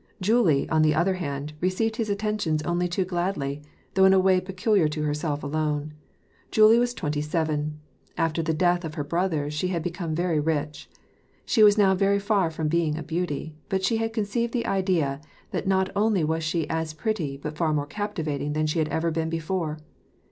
Julie, on the other hand, received his attentions only too gladly, though in a way peculiar to herself alone. Julie was twenty seven. After the death of her brothers she had become very rich. She was now very far from being a beauty ; but she had conceived the idea that not only was she as pretty but far more captivating than she ever had been before.